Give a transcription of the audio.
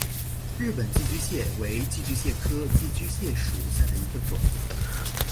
日本寄居蟹为寄居蟹科寄居蟹属下的一个种。